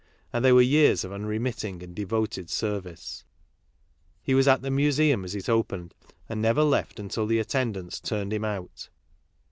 And they were years of un remitting and devoted service. He was at the Museum KARL MARX 19 as it opened and never left until the attendants turned him out.